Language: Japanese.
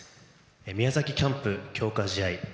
宮崎キャンプ、強化試合